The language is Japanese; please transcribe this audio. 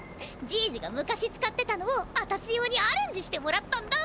じいじが昔使ってたのをあたし用にアレンジしてもらったんだ！